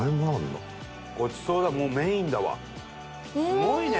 すごいね！